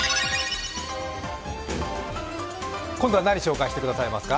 今度は何紹介してくださいますか？